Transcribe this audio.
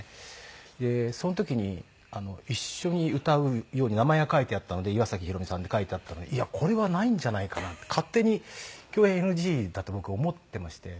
その時に一緒に歌うように名前が書いてあったので「岩崎宏美さん」って書いてあったのでいやこれはないんじゃないかなって勝手に共演ＮＧだと僕思ってまして。